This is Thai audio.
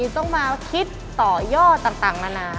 ต้องมาคิดต่อยอดต่างนานา